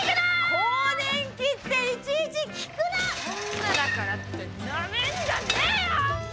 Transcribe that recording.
女だからってなめんじゃねえよ！